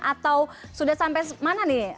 atau sudah sampai mana nih